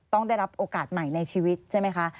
ต้องได้รับโอกาสใหม่ในชีวิตใช่ไหมคะ